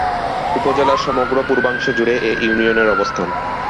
উপজেলার সমগ্র পূর্বাংশ জুড়ে এ ইউনিয়নের অবস্থান।